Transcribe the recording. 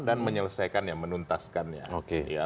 dan menyelesaikannya menuntaskannya